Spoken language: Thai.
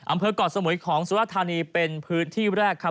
ก่อสมุยของสุรธานีเป็นพื้นที่แรกครับ